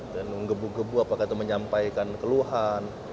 dan ngebu gebu apakah itu menyampaikan keluhan